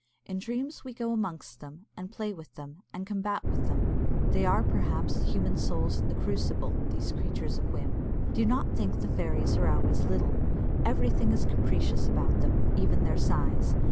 In dreams we go amongst them, and play with them, and combat with them. They are, perhaps, human souls in the crucible these creatures of whim. Do not think the fairies are always little. Everything is capricious about them, even their size.